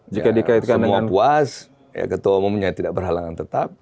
semua puas ketua umumnya tidak berhalangan tetap